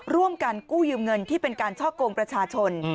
ร่วมกันกู้ยืมเงินที่เป็นการช่อกงประชาชน